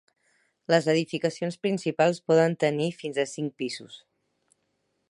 Les edificacions principals poden tenir fins a cinc pisos.